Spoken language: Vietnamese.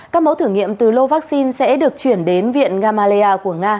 các mẫu thử nghiệm từ lô vaccine sẽ được chuyển đến viện gamaleya của nga